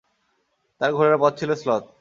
তার ঘোড়ার গতি ছিল শ্লথ।